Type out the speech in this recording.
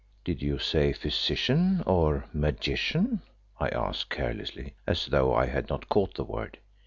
"Did you say physician or magician?" I asked carelessly, as though I had not caught the word.